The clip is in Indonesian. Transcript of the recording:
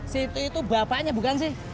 situ itu bapaknya bukan sih